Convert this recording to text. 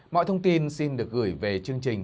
mọi thông tin xin được gửi về chương trình